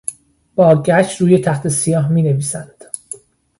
با گچ روی تختهی سیاه مینویسند.